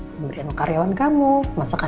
memberi anak karyawan kamu masakan kamu